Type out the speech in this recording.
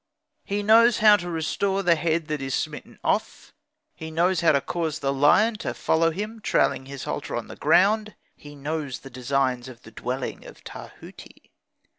He knows how to restore the head that is smitten off; he knows how to cause the lion to follow him trailing his halter on the ground; he knows the designs of the dwelling of Tahuti.